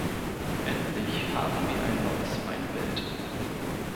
Endlich haben wir ein neues Feindbild.